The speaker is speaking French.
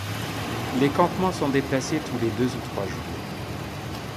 Les campements sont déplacés tous les deux ou trois jours.